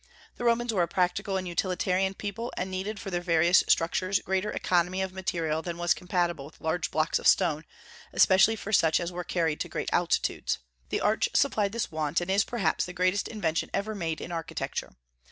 The Romans were a practical and utilitarian people, and needed for their various structures greater economy of material than was compatible with large blocks of stone, especially for such as were carried to great altitudes. The arch supplied this want, and is perhaps the greatest invention ever made in architecture.